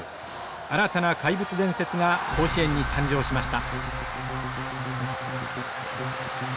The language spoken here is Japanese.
新たな怪物伝説が甲子園に誕生しました。